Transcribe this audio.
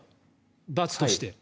罰として。